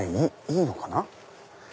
いいのかな？